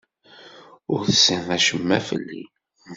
Ur tessineḍ acemma fell-i.